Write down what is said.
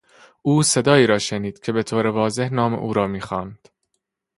او صدایی را شنید که به طور واضح نام او را میخواند.